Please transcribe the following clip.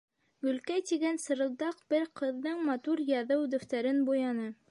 Гөлкәй тигән сырылдаҡ бер ҡыҙҙың матур яҙыу дәфтәрен буяны.